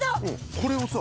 これをさ